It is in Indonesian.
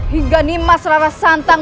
hingga nima serara santang